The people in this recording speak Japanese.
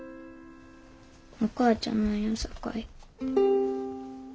お母ちゃんなんやさかい。